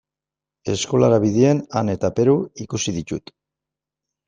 Eskolara bidean Ane eta Peru ikusi ditut.